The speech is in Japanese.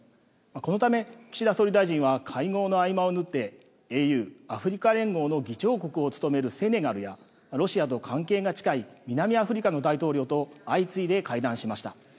このため、岸田総理大臣は会合の合間を縫って、ＡＵ・アフリカ連合の議長国を務めるセネガルや、ロシアと関係が近い南アフリカの大統領と、相次いで会談しました。